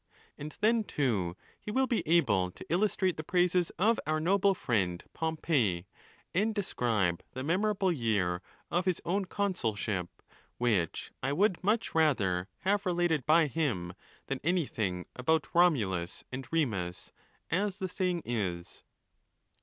And then, too, he will be able to illustrate the praises of our noble friend Pompey, and describe the memorable year of his own consul ship, which I would much rather have related by him than anything about Romulus and Remus, as the saying is.